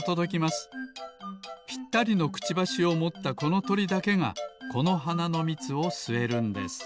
ぴったりのくちばしをもったこのとりだけがこのはなのみつをすえるんです。